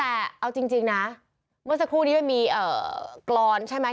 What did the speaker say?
แต่เอาจริงนะเมื่อสักครู่นี้มันมีกรอนใช่ไหม